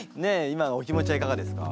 今のお気持ちはいかがですか？